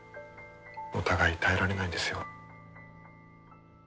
お互い耐えられないですよ。